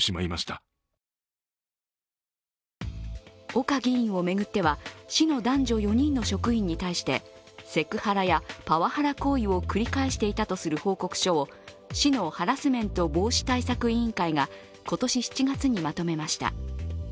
岡議員を巡っては市の男女４人の職員に対してセクハラやパワハラ行為を繰り返していたとする報告書を市のハラスメント防止対策委員会が今年７月にまとめました。